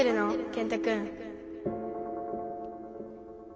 健太くん。